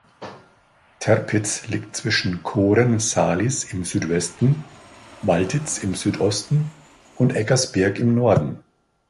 Terpitz liegt zwischen Kohren-Sahlis im Südwesten, Walditz im Südosten und Eckersberg im Norden.